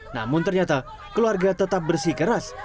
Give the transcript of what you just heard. namun ternyata keluarga tetap bersih keras